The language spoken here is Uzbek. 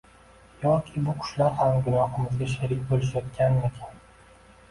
Yoki bu qushlar ham gunohimizga sherik bo’lishayotganmikan?